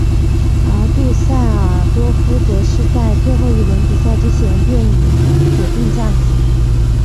而杜塞尔多夫则是在最后一轮比赛之前便已铁定降级。